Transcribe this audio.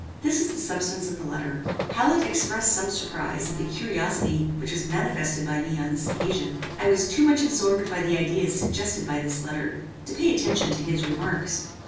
"This is the substance of the letter. Hallet expressed some surprize at the curiosity which was manifested by me on this occasion. I was too much absorbed by the ideas suggested by this letter, to pay attention to his remarks.